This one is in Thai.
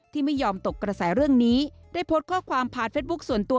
ที่ไม่ยอมตกกระแสเรื่องนี้ได้โพสต์ข้อความผ่านเฟสบุ๊คส่วนตัว